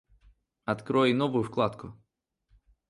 Открой новую вкладку